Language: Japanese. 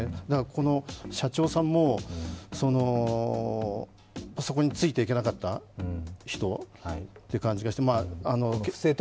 この社長さんも、そこについていけなかった人という感じがして。